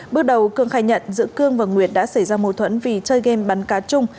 bước đầu cương khai nhận giữa cương và nguyệt đã xảy ra mâu thuẫn vì chơi game bắn cá chung